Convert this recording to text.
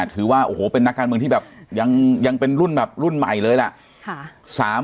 ถือว่าโอ้โหเป็นนักการเมืองที่แบบยังเป็นรุ่นแบบรุ่นใหม่เลยล่ะ